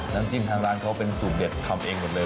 น้ำจิ้มทางร้านเขาเป็นสูตรเด็ดทำเองหมดเลย